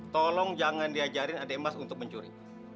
tolong jangan diajarin adik mas untuk mencuri